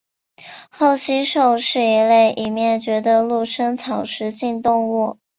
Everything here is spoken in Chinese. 厚膝兽是一类已灭绝的陆生草食性动物。